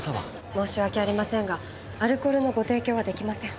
申し訳ありませんがアルコールのご提供はできません。